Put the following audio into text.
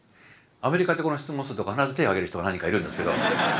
アメリカでこの質問すると必ず手挙げる人が何人かいるんですけど。